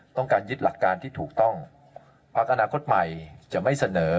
ต้องการยึดหลักการที่ถูกต้องพักอนาคตใหม่จะไม่เสนอ